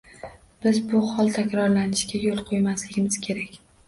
Biz bu hol takrorlanishiga yo‘l qo‘ymasligimiz kerak